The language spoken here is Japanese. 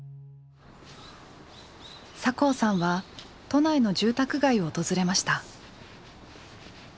酒匂さんは都内の住宅街を訪れました。